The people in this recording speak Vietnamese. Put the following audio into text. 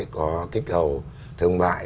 có kích cầu thương mại